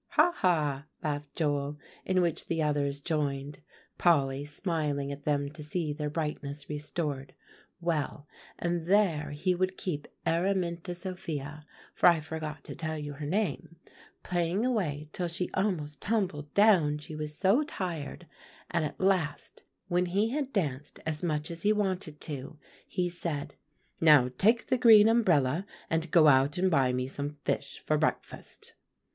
"Ha, ha!" laughed Joel, in which the others joined, Polly smiling at them to see their brightness restored. "Well, and there he would keep Araminta Sophia, for I forgot to tell you her name, playing away till she almost tumbled down she was so tired; and at last, when he had danced as much as he wanted to, he said, 'Now take the green umbrella, and go out and buy me some fish for breakfast.